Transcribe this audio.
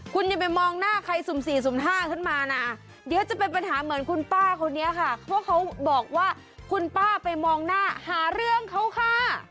คุณอย่าไปมองหน้าใครสุ่ม๔สุ่มห้าขึ้นมานะเดี๋ยวจะเป็นปัญหาเหมือนคุณป้าคนนี้ค่ะเพราะเขาบอกว่าคุณป้าไปมองหน้าหาเรื่องเขาค่ะ